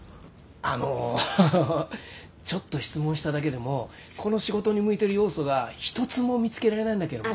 あのちょっと質問しただけでもこの仕事に向いてる要素が一つも見つけられないんだけど。